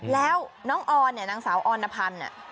แล้วน้องออนเนี่ยนางสาวออนพันธ์เนี่ย